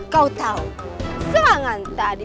kau tahu serangan tadi